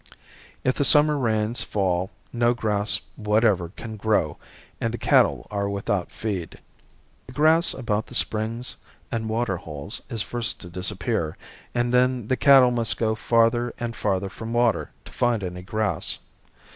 If the summer rains fail, no grass whatever can grow and the cattle are without feed. The grass about the springs and water holes is first to disappear and then the cattle must go farther and farther from water to find any grass.